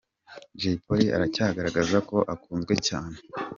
Jay Polly aracyagaragaza ko akunzwe cyane.